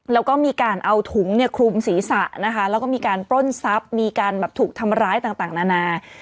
แล้วก็มีการเอาถุงเนี่ยคลุมศีรษะนะคะแล้วก็มีการปล้นทรัพย์มีการแบบถูกทำร้ายต่างนานา